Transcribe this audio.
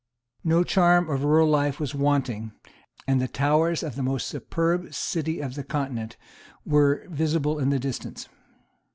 No charm of rural life was wanting; and the towers of the most superb city of the Continent were visible in the distance.